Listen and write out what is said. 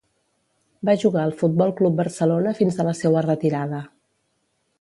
Va jugar al Futbol Club Barcelona fins a la seua retirada.